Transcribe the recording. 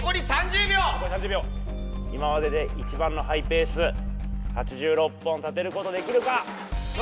今まででいちばんのハイペース８６本立てることできるか？